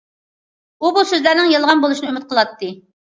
ئۇ بۇ سۆزلەرنىڭ يالغان بولۇشىنى ئۈمىد قىلاتتى.